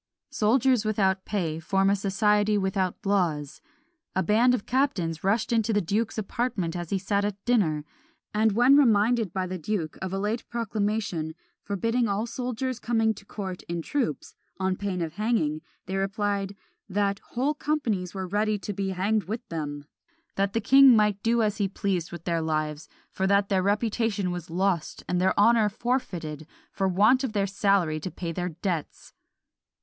Soldiers without pay form a society without laws. A band of captains rushed into the duke's apartment as he sat at dinner; and when reminded by the duke of a late proclamation, forbidding all soldiers coming to court in troops, on pain of hanging, they replied, that "Whole companies were ready to be hanged with them! that the king might do as he pleased with their lives; for that their reputation was lost, and their honour forfeited, for want of their salary to pay their debts."